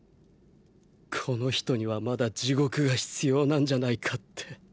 この人にはまだ地獄が必要なんじゃないかって。